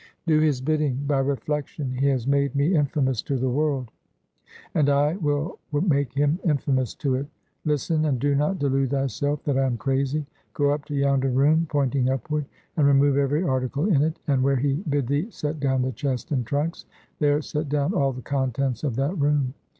"Do his bidding. By reflection he has made me infamous to the world; and I will make him infamous to it. Listen, and do not delude thyself that I am crazy. Go up to yonder room" (pointing upward), "and remove every article in it, and where he bid thee set down the chest and trunks, there set down all the contents of that room."